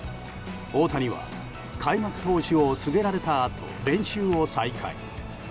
大谷は開幕投手を告げられたあと練習を再開。